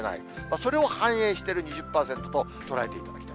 それを反映してる２０％と捉えていただきたい。